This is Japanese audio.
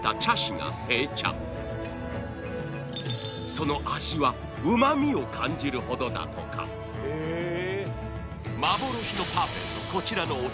その味はうま味を感じるほどだとか幻のパフェとこちらのお茶